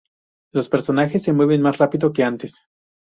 Los personajes se mueven más rápido que antes.